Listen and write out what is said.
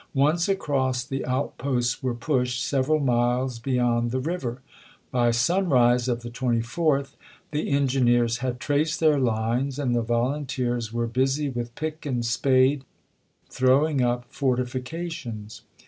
Once across, the outposts were pushed several miles beyond the river ; by sunrise of the 24th, the engineers had traced their lines and the volunteers were busy with pick and spade throwing up fortifications.